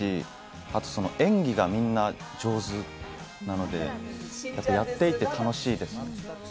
あと、演技がみんな上手なのでやっていて楽しいです。